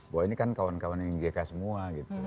bahwa ini kan kawan kawan yang jk semua gitu